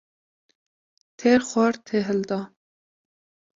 Têr xwar tê hilda